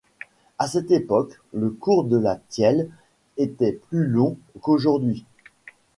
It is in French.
À cette époque le cours de la Thièle était plus long qu'aujourd'hui.